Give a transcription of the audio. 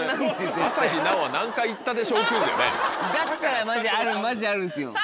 だったらマジあるんですよ。